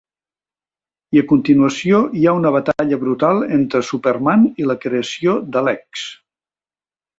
I a continuació hi ha una batalla brutal entre Superman i la creació de Lex.